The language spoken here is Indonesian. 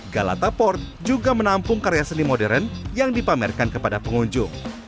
galata port juga menampung karya seni modern yang dipamerkan kepada pengunjung